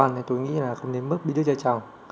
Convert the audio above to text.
nên tôi nghĩ là không đến mức đi đứa chơi chồng